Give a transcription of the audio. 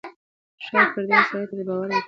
ښایي پردي سړي ته د بار ورکول هغې ته بد ښکاري.